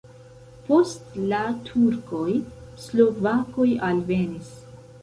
Post la turkoj slovakoj alvenis.